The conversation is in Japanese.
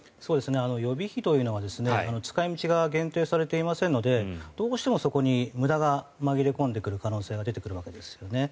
予備費というのは使い道が限定されていませんのでどうしてもそこに無駄が紛れ込んでくる可能性が出てくるわけです。